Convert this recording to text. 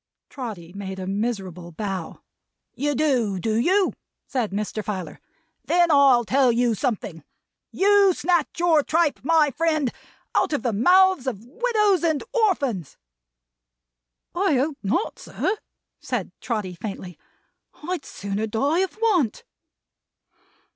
Trotty made a miserable bow. "You do, do you?" said Mr. Filer. "Then I'll tell you something. You snatch your tripe, my friend, out of the mouths of widows and orphans." "I hope not, sir," said Trotty, faintly. "I'd sooner die of want!"